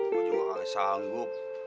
gua juga kali sanggup